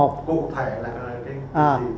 cụ thể là cái gì